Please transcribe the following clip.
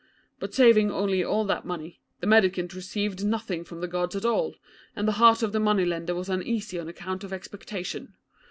But saving only all that money, the mendicant received nothing from the Gods at all, and the heart of the money lender was uneasy on account of expectation.